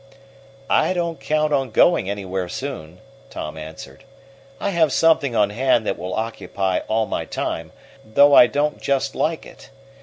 "I don't count on going anywhere soon," Tom answered. "I have something on hand that will occupy all my time, though I don't just like it.